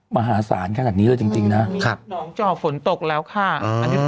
มหาศาลขนาดนี้เลยจริงจริงนะครับน้องจ่อฝนตกแล้วค่ะอันนี้